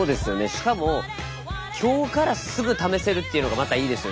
しかも今日からすぐ試せるっていうのがまたいいですよね。